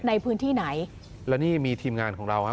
ในพื้นที่ไหนและนี่มีทีมงานของเราครับ